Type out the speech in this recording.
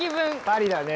パリだね。